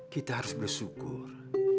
kita harus bersyukur